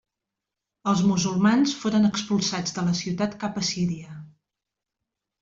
Els musulmans foren expulsats de la ciutat cap a Síria.